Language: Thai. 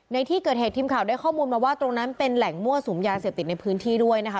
ในที่เกิดเหตุทีมข่าวได้ข้อมูลมาว่าตรงนั้นเป็นแหล่งมั่วสุมยาเสพติดในพื้นที่ด้วยนะคะ